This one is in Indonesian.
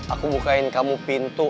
aku bukain kamu pintu